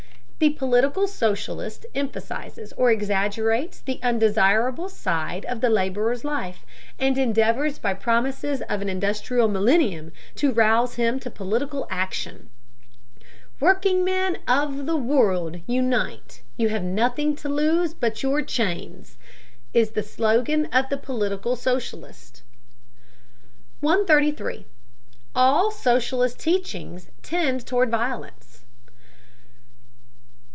The political socialist emphasizes or exaggerates the undesirable side of the laborer's life, and endeavors by promises of an industrial millennium to rouse him to political action. "Workingmen of the world, unite, you have nothing to lose but your chains," is the slogan of the political socialist. 133. ALL SOCIALIST TEACHINGS TEND TOWARD VIOLENCE.